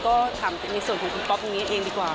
ก็ถามในส่วนของคุณป๊อปตรงนี้เองดีกว่า